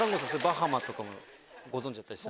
バハマとかもご存じだったり。